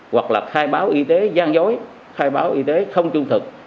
hoặc là khai báo y tế gian dối khai báo y tế không trung thực